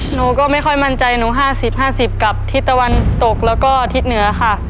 หนูก็ไม่ค่อยมั่นใจหนู๕๐๕๐กับทิศตะวันตกแล้วก็ทิศเหนือค่ะ